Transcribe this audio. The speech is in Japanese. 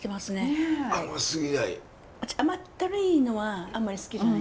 うち甘ったるいのはあんまり好きじゃない。